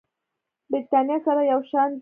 برېتانيا سره یو شان دي.